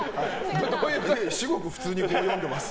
至極、普通に読んでます。